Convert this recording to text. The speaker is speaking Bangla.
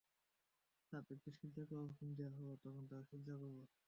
তাদেরকে সিজদা করার হুকুম দেয়া হলো, তখন তারা সিজদা করল।